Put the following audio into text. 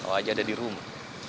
oh aja ada di rumah